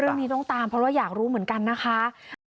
เรื่องนี้ต้องตามเพราะว่าอยากรู้เหมือนกันนะคะ